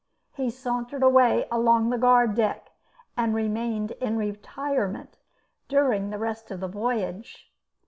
He sauntered away along the guard deck, and remained in retirement during the rest of the voyage.